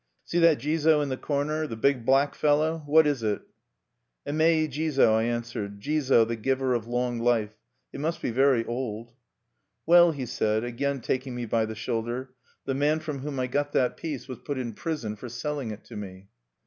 See that Jizo in the corner, the big black fellow? What is it?" "Emmei Jizo," I answered, "Jizo, the giver of long life. It must be very old." "Well," he said, again taking me by the shoulder, "the man from whom I got that piece was put in prison for selling it to me."